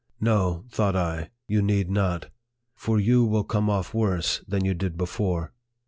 " No," thought I, " you need not ; for you will come off worse than you did before."